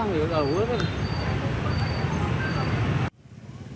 mũi ở ướt rồi